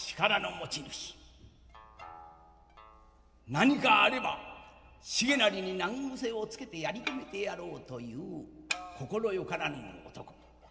何かあれば重成に難癖をつけてやり込めてやろうという心よからぬ男。